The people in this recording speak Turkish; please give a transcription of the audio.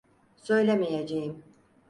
Söylemeyeceğim.